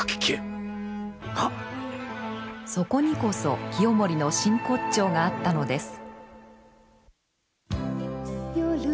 そこにこそ清盛の真骨頂があったのです。